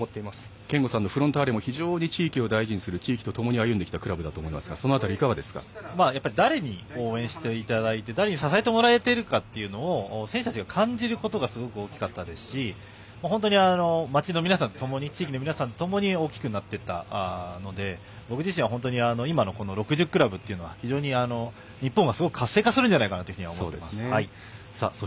憲剛さんのフロンターレも地域とともに歩んできたクラブだと思いますが誰に応援していただいてて誰に支えてもらっているかというのを選手たちが感じることがすごく大きかったですし街の皆さん地域の皆さんと一緒に大きくなっていったので僕自身は今の６０クラブというのは日本はすごく活性化するんじゃないかなと思っています。